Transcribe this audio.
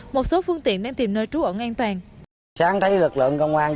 một số phương tiện đang tìm nơi trú ẩn an toàn